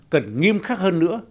cần nghiêm khắc hơn nữa